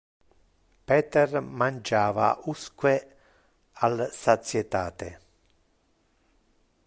Peter mangiava usque al satietate.